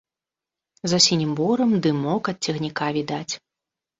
За сінім борам дымок ад цягніка відаць.